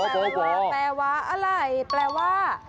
บอวอแปลว่าอะไรแปลว่า